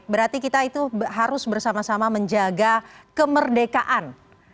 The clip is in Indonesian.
berarti kita itu harus bersama sama menjaga kemerdekaan